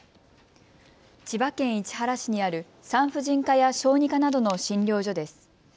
千葉県市原市にある産婦人科や小児科などの診療所です。